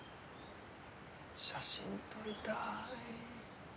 写真撮りたい。